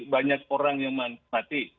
banyak orang yang mati